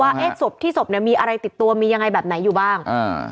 เอ๊ะศพที่ศพเนี่ยมีอะไรติดตัวมียังไงแบบไหนอยู่บ้างอ่า